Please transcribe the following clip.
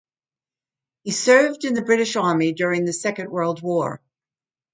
He served in the British Army during the Second World War.